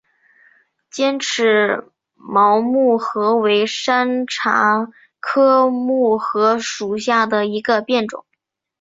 尖齿毛木荷为山茶科木荷属下的一个变种。